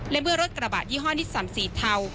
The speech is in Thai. และเมื่อรถกระบาดยี่ห้อนที่สามสี่เทา